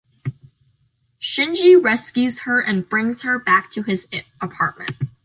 Shinji rescues her and brings her back to his apartment.